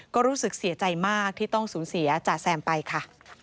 ก็รู้สึกเสียใจมากที่ต้องสูญเสียจ่าแซมไปค่ะ